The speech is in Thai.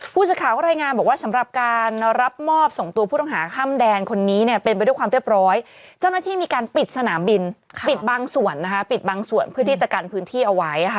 ผู้จัดข่าวก็รายงานบอกว่า